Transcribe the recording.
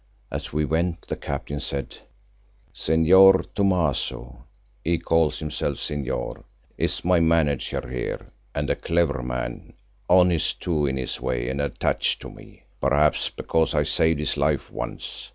As we went the Captain said, "Señor Thomaso—he calls himself Señor—is my manager here and a clever man, honest too in his way and attached to me, perhaps because I saved his life once.